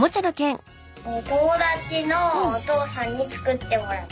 友達のお父さんに作ってもらった。